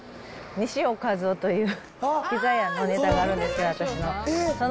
西尾一男というピザ屋のねたがあるんですよ、私の。